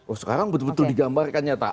oh sekarang betul betul digambarkan nyata